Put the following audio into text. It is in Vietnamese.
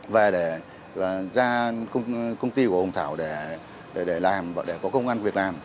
và để ra công ty của hùng tháo để làm và để có công an việc làm